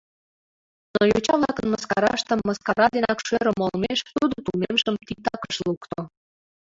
Но йоча-влакын мыскараштым мыскара денак шӧрымӧ олмеш, тудо тунемшым титакыш лукто.